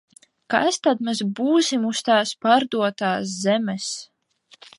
Kas tad mēs būsim uz tās pārdotās zemes?